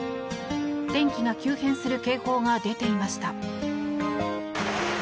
天気が急変する警報が出ていました。